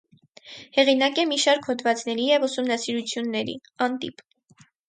Հեղինակ է մի շարք հոդվածների և ուսումնասիրությունների (անտիպ)։